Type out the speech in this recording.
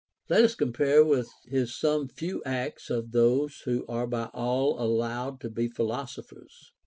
12. Let us compare with his some few acts of those who are by all allowed to be philosophers.